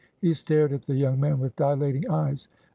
He stared at the young man with dilating eyes.